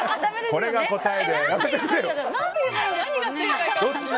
これが答えです。